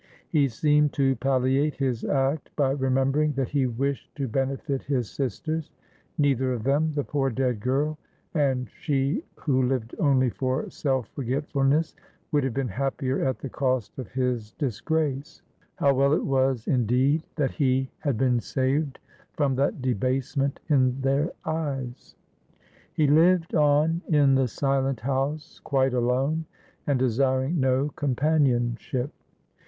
He seemed to palliate his act by remembering that he wished to benefit his sisters. Neither of themthe poor dead girl, and she who lived only for self forgetfulnesswould have been happier at the cost of his disgrace. How well it was, indeed, that he had been saved from that debasement in their eyes. He lived on in the silent house, quite alone and desiring no companionship.